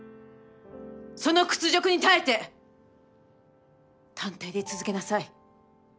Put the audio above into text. その屈辱に耐えて探偵で居続けなさい。